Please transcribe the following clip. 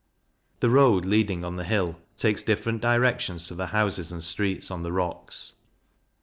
The Road leading on the hill, takes different directions to the houses and streets on the rocks.